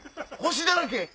星だらけ！